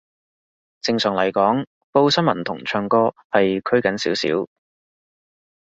正常嚟講，報新聞同唱歌係拘謹少少